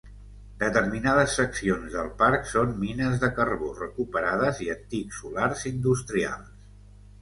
Determinades seccions del parc són mines de carbó recuperades i antics solars industrials.